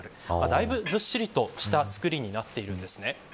だいぶずっしりとした作りになっています。